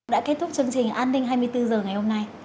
đã kết thúc chương trình an ninh hai mươi bốn h ngày hôm nay